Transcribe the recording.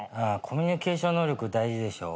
コミュニケーション能力大事でしょ？